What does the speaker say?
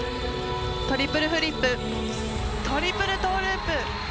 トリプルフリップトリプルトウループ。